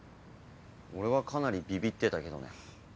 俺はかなりビビってたけどね。